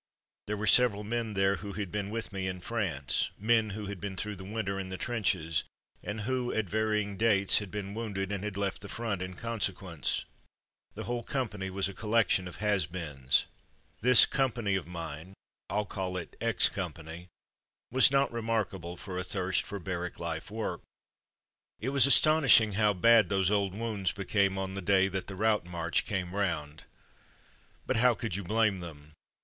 There were several men there who had been with me in France; men who had been through the winter in the trenches, and who, at varying dates, had been wounded and had left the front in consequence. The whole company was a 21 22 From Mud to Mufti collection of "has beens/* This company of mine (Fll call it X Company) was not remarkable for a thirst for barrack life work. It was astonishing how bad those old wounds became on the day that the route march came round. But how could you blame them?